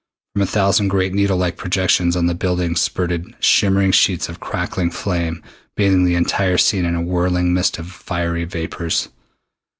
From a thousand great needle like projections on the buildings spurted shimmering sheets of crackling flame, bathing the entire scene in a whirling mist of fiery vapors.